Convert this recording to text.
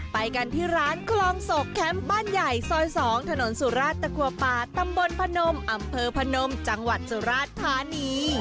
ไปกันที่ร้านคลองศกแคมป์บ้านใหญ่ซอย๒ถนนสุราชตะกัวป่าตำบลพนมอำเภอพนมจังหวัดสุราชธานี